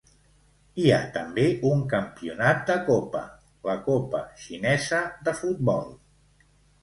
Hi ha també un campionat de copa, la Copa xinesa de futbol.